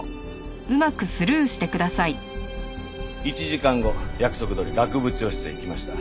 １時間後約束どおり学部長室へ行きました。